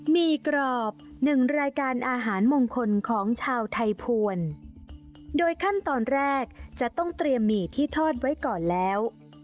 มีกรอบหนึ่งรายการอาหารมงคลของชาวไทยภวรโดยขั้นตอนแรกจะต้องเตรียมหมี่ที่ทอดไว้ก่อนแล้ว